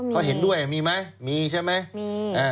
เขาเห็นด้วยมีไหมมีใช่ไหมมี